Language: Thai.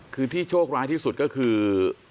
คือที่โชคร้ายที่สุดก็คือ